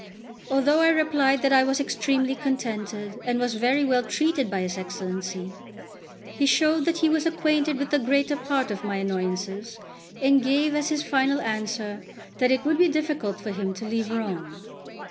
Although I replied that I was extremely contented and was very well treated by his Excellency, he showed that he was acquainted with the greater part of my annoyances, and gave as his final answer that it would be difficult for him to leave Rome.